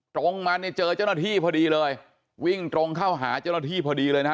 ตรงมาเนี่ยเจอเจ้าหน้าที่พอดีเลยวิ่งตรงเข้าหาเจ้าหน้าที่พอดีเลยนะฮะ